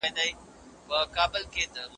لوی عزت یوازي په استعداد پوري نه سي تړل کېدلای.